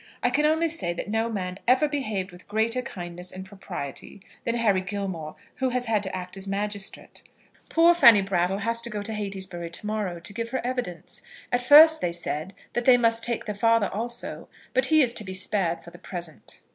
I can only say that no man ever behaved with greater kindness and propriety than Harry Gilmore, who has had to act as magistrate. Poor Fanny Brattle has to go to Heytesbury to morrow to give her evidence. At first they said that they must take the father also, but he is to be spared for the present.